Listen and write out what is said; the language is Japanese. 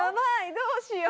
どうしよう！